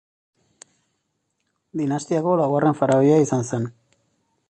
Dinastiako laugarren faraoia izan zen.